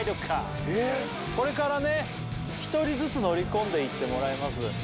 これからね１人ずつ乗り込んでいってもらいます